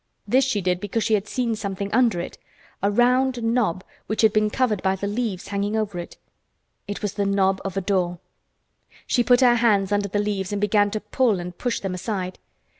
This she did because she had seen something under it—a round knob which had been covered by the leaves hanging over it. It was the knob of a door. She put her hands under the leaves and began to pull and push them aside.